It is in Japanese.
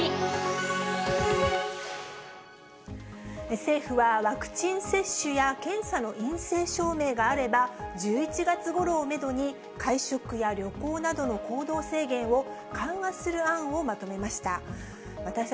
政府は、ワクチン接種や検査の陰性証明があれば、１１月ごろをメドに、会食や旅行などの行動制限を緩和する案をまとめました。